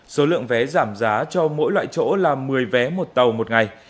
số lượng vé giảm giá cho mỗi loại chỗ là một mươi vé một tàu một ngày